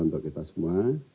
untuk kita semua